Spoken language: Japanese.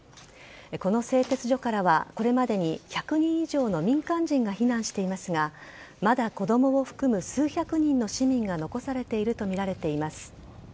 この製鉄所からはこれまでに１００人以上の民間人が避難していますがまだ子供を含む数百人の市民が残されているとみられています。